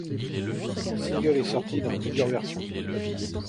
Le single est sortie dans plusieurs versions.